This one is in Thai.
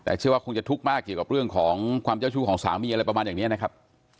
แต่เชื่อว่าคงจะทุกข์มากเกี่ยวของเรื่องซาวชูของสามีประมาณอย่างนี้นะครับ